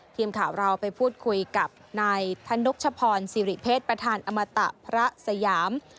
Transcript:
ทีมข่าวเราไปพูดคุยกับนายธนกชพรสิริเพศประธานอมตะพระสยาม